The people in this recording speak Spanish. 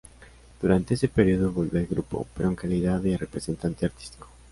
Durante ese periodo, volvió al grupo, pero en calidad de representante artístico.